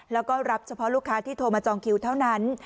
แล้วก็รับเฉพาะลูกค้าที่โทรมาจองคิวเท่านั้น